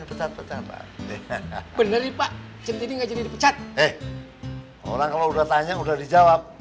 eh orang kalau udah tanya udah dijawab